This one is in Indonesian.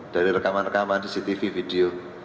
dari rekaman rekaman cctv video